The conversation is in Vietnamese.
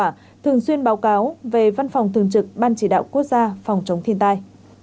thường xuyên báo cáo về văn phòng thường trực ban chỉ đạo quốc gia phòng chống thiên tai